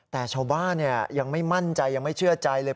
แต่ชาวบ้านยังไม่มั่นใจยังไม่เชื่อใจเลย